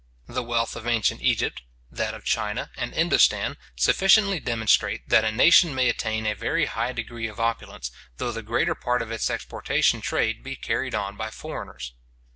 The wealth of ancient Egypt, that of China and Indostan, sufficiently demonstrate that a nation may attain a very high degree of opulence, though the greater part of its exportation trade be carried on by foreigners.